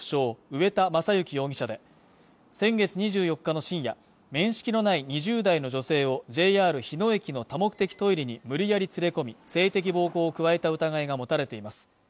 上田将之容疑者で先月２４日の深夜面識のない２０代の女性をＪＲ日野駅の多目的トイレに無理やり連れ込み性的暴行を加えた疑いが持たれています